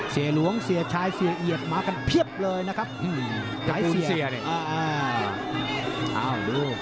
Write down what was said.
เสียหลวงเสียชายเสียเหยียดบ้างเดียวกคนพ่อเย็บเลย